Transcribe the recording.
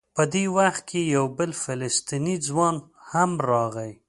په دې وخت کې یو بل فلسطینی ځوان هم راغی.